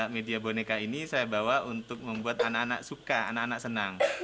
media boneka ini saya bawa untuk membuat anak anak suka anak anak senang